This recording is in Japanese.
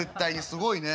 すごいね。